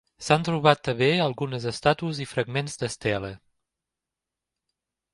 S'han trobat també algunes estàtues i fragments d'estela.